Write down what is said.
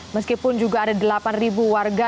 meskipun juga ada delapan warga